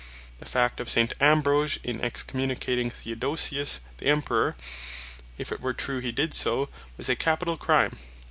The fact of St. Ambrose, in Excommunicating Theodosius the Emperour, (if it were true hee did so,) was a Capitall Crime.